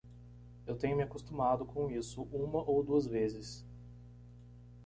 Eu tenho me acostumado com isso uma ou duas vezes.